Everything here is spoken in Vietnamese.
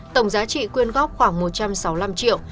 tổng giá trị quyên góp khoảng một trăm sáu mươi năm triệu